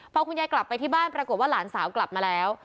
พอคุณยายกลับไปที่บ้านปรากฏว่าหลานสาวกลับมาแล้ว